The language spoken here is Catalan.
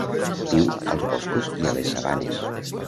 Viu als boscos i a les sabanes.